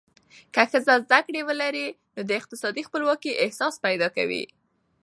که ښځه زده کړه ولري، نو د اقتصادي خپلواکۍ احساس پیدا کوي.